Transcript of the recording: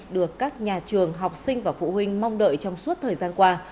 được các nhà trường học sinh và phụ huynh mong đợi trong suốt thời gian qua